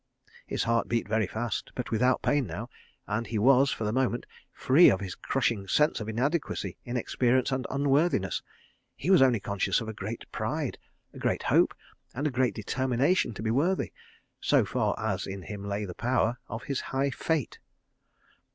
His heart beat very fast, but without pain now, and he was, for the moment, free of his crushing sense of inadequacy, inexperience and unworthiness. He was only conscious of a great pride, a great hope, and a great determination to be worthy, so far as in him lay the power, of his high fate.